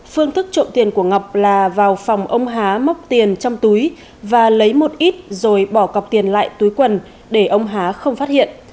phương thức trộm tiền của ngọc là vào phòng ông hán móc tiền trong túi và lấy một ít rồi bỏ cọc tiền lại túi quần để ông há không phát hiện